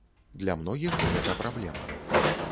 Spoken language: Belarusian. Для многіх гэта праблема.